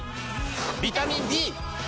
ビタミン Ｂ！